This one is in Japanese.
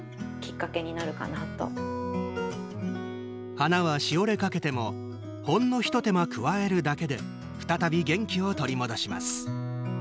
花はしおれかけてもほんのひと手間加えるだけで再び元気を取り戻します。